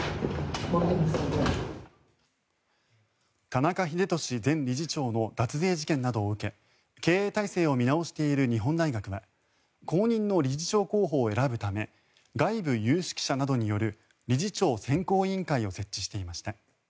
田中英寿前理事長の脱税事件などを受け経営体制を見直している日本大学は後任の理事長候補を選ぶため外部有識者などによる理事長選考委員会を設置していました。